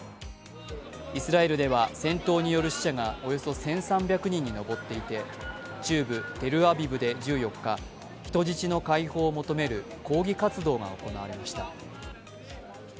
イスラエルでは戦闘による死者がおよそ１３００人に上っていて中部テルアビブで１４日、人質の解放を求める抗議活動が行われました。